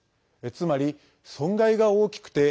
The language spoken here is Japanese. つまり、損害が大きくて